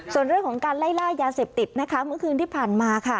ส่วนเรื่องของการไล่ล่ายาเสพติดนะคะเมื่อคืนที่ผ่านมาค่ะ